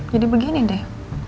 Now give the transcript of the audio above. jadi begini deh